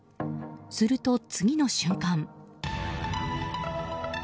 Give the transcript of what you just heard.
すると次の瞬間。